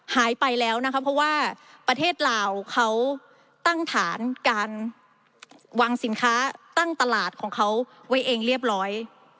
หายไปแล้วนะคะเพราะว่าประเทศลาวเขาตั้งฐานการวางสินค้าตั้งตลาดของเขาไว้เองเรียบร้อย